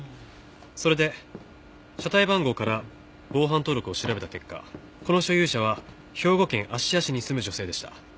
それで車体番号から防犯登録を調べた結果この所有者は兵庫県芦屋市に住む女性でした。